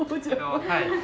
はい。